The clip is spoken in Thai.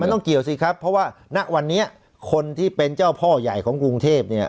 ต้องเกี่ยวสิครับเพราะว่าณวันนี้คนที่เป็นเจ้าพ่อใหญ่ของกรุงเทพเนี่ย